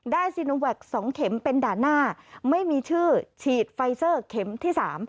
ซีโนแวค๒เข็มเป็นด่านหน้าไม่มีชื่อฉีดไฟเซอร์เข็มที่๓